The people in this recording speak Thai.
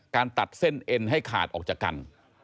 ตัดเส้นเอ็นให้ขาดออกจากกัน